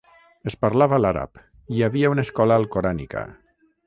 Es parlava l'àrab i hi havia una escola alcorànica.